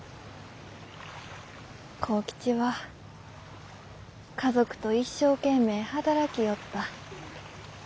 幸吉は家族と一生懸命働きよった。